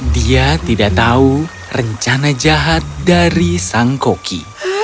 dia tidak tahu rencana jahat dari sang koki